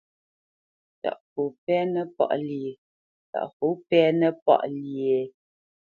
Ntaʼfo pɛ́nə páʼ lyé?